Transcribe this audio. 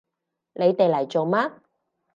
你哋嚟做乜？